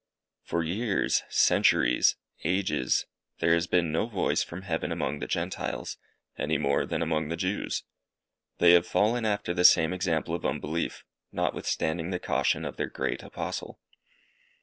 For years, centuries, ages, there has been no voice from heaven among the Gentiles, any more than among the Jews. They have fallen "after the same example of unbelief," notwithstanding the caution of their great Apostle.